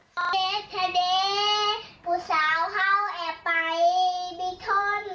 ว่าเขาบอกของจ๋าว่าเจ้าสุดยอดอาจร้า